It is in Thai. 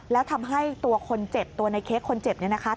แล้วทำให้ตัวคนเจ็บตัวในเค้กคนเจ็บเนี่ยนะคะ